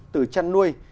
từ chăn nuôi